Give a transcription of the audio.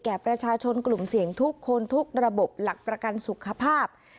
ประชาชนกลุ่มเสี่ยงทุกคนทุกระบบหลักประกันสุขภาพ